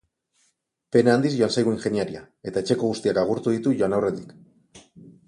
Pena handiz joan zaigu ingeniaria, eta etxeko guztiak agurtu ditu joan aurretik.